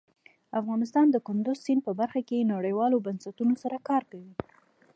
افغانستان د کندز سیند په برخه کې نړیوالو بنسټونو سره کار کوي.